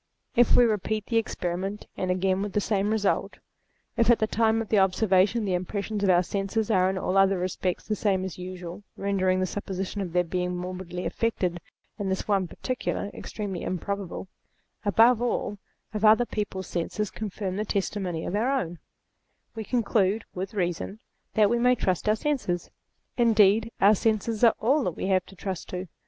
If we repeat the experiment, and again with the same result ; if at the time of the observation the impressions of our senses are in all other respects the same as usual, rendering the supposition of their being morbidly affected in this one particular, ex tremely improbable; above all, if other people's senses confirm the testimony of our own ; we con clude, with reason, that we may trust our senses. Indeed our senses are all that we have to trust to.